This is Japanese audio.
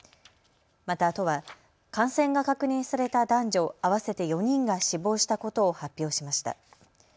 また都は感染が確認された男女合わせて４人が死亡したことを発表しました。